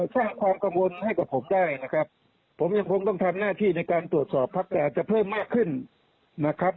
สร้างความกังวลให้กับผมได้นะครับผมยังคงต้องทำหน้าที่ในการตรวจสอบพักแต่อาจจะเพิ่มมากขึ้นนะครับ